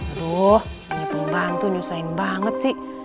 aduh nyipu bantu nyusahin banget sih